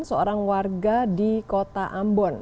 seorang warga di kota ambon